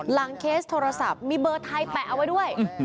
เคสโทรศัพท์มีเบอร์ไทยแปะเอาไว้ด้วย